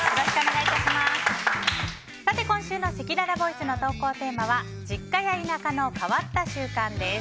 今週のせきららボイスの投稿テーマは実家や田舎の変わった習慣です。